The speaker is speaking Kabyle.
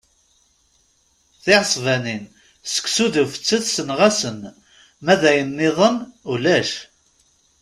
Tiɛesbanin, seksu d ufettet ssneɣ-asen, ma d ayen nniḍen ulac.